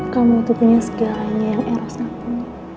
kamu punya aku